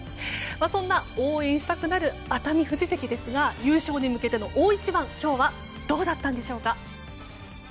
そんな応援したくなる熱海富士ですが優勝に向けての大一番今日はどうだったんでしょうか。